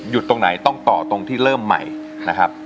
ร้องต่อตรงที่เริ่มใหม่นะครับ